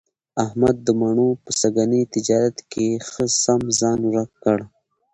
احمد د مڼو په سږني تجارت کې ښه سم ځان ورک کړ.